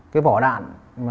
cái vỏ đạn